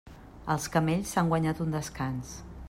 Els camells s'han guanyat un descans.